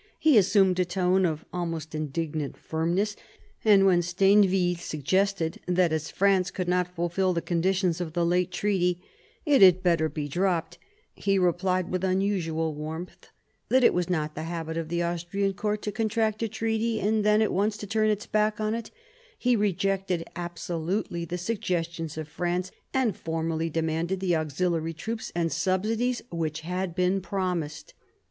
He assumed a tone of almost indignant firmness, and when Stainville suggested that as France could not fulfil the conditions of the late treaty it had better be dropped, he 144 MARIA THERESA ohap. tii replied with unusual warmth that it was not the habit of the Austrian court to contract a treaty and then at once to turn its back on it ; he rejected absolutely the suggestions of France, and formally demanded the auxili ary troops and subsidies which had been promised.